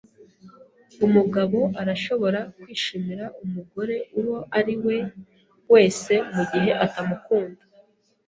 Umugabo arashobora kwishimira umugore uwo ari we wese mugihe atamukunda.